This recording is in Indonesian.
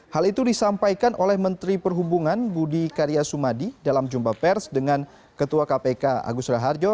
hal itu disampaikan oleh menteri perhubungan budi karya sumadi dalam jumpa pers dengan ketua kpk agus raharjo